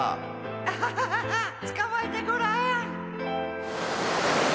アハハつかまえてごらん。